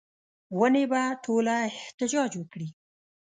ونې به ټوله احتجاج وکړي